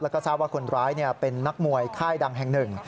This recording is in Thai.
แล้วก็ทราบว่าคนร้ายเป็นนักมวยค่ายดังแห่งหนึ่ง